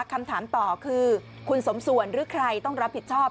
คำถามต่อคือคุณสมส่วนหรือใครต้องรับผิดชอบ